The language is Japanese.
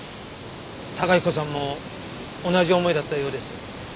崇彦さんも同じ思いだったようです。